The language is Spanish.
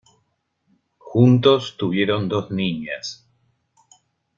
Juntos tuvieron dos niñas.